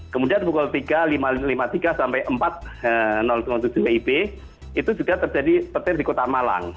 kemudian pukul tiga lima puluh tiga sampai empat tujuh wib itu juga terjadi petir di kota malang